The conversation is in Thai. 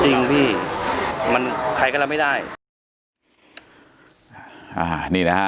จริงพี่มันใครก็รับไม่ได้